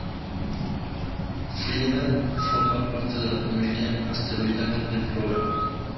Frieda forma parte de la familia asteroidal de Flora.